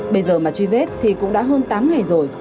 bây giờ mà truy vết thì cũng đã hơn tám ngày rồi